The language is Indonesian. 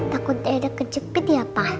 takut ada kejepit ya pak